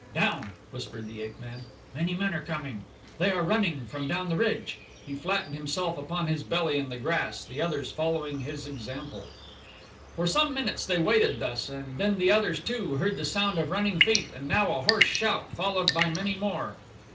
"Down!" whispered the ape man, "many men are coming. They are running from down the ridge." He flattened himself upon his belly in the grass, the others following his example. For some minutes they waited thus and then the others, too, heard the sound of running feet and now a hoarse shout followed by many more.